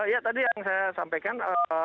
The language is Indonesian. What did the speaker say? ya tadi yang saya sampaikan